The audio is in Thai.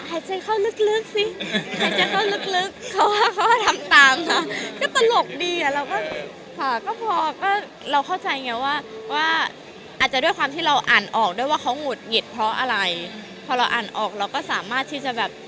ไฮไท์เข้าลึกซิเขาว่าทำตามน่ะปลลกดี